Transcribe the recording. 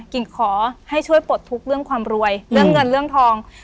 กิ่งขอให้ช่วยปลดทุกข์เรื่องความรวยเรื่องเงินเรื่องทอง